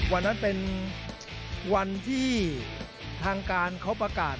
วันนั้นเป็นวันที่ทางการเขาประกาศ